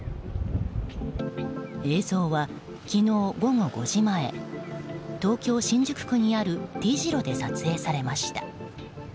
映像は昨日午後５時前東京・新宿区にあるＴ字路で撮影されました。